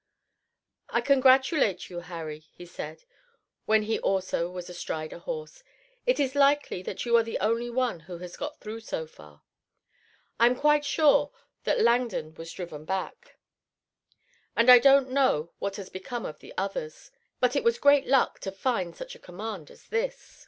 "I congratulate you, Harry," he said, when he also was astride a horse. "It is likely that you are the only one who has got through so far. I'm quite sure that Langdon was driven back, and I don't know what has become of the others. But it was great luck to find such a command as this."